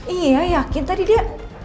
iya yakin tadi dia